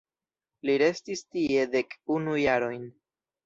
Li restis tie dek unu jarojn.